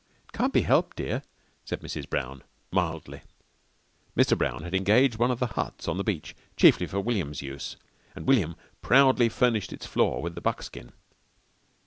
"It can't be helped, dear," said Mrs. Brown mildly. Mr. Brown had engaged one of the huts on the beach chiefly for William's use, and William proudly furnished its floor with the buckskin.